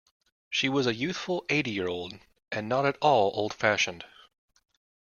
She was a youthful eighty-year-old, and not at all old-fashioned.